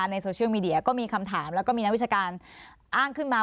ในโซเชียลมีเดียก็มีคำถามแล้วก็มีนักวิชาการอ้างขึ้นมา